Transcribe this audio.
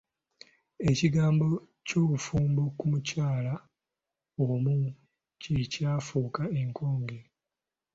Ekigambo ky'obufumbo ku mukyala omu kye kyafuuka enkonge.